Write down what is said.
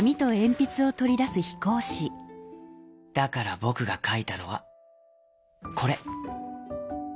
こころのこえ「だからぼくがかいたのはこれ」。